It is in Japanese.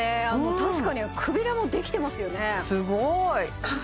確かにクビレもできてますよね